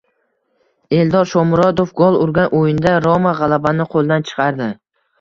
Eldor Shomurodov gol urgan o‘yinda “Roma” g‘alabani qo‘ldan chiqardi